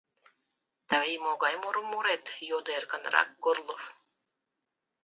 — Тый могай мурым мурет? — йодо эркынрак Горлов.